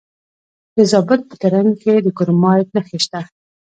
د زابل په ترنک کې د کرومایټ نښې شته.